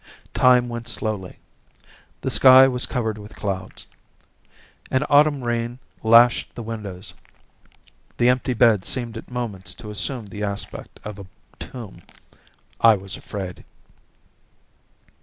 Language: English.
Time went slowly. The sky was covered with clouds. An autumn rain lashed the windows. The empty bed seemed at moments to assume the aspect of a tomb. I was afraid.